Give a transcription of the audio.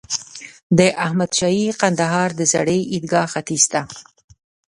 د احمد شاهي کندهار د زړې عیدګاه ختیځ ته.